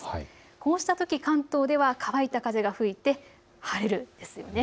こうしたとき関東では乾いた風が吹いて晴れるんです。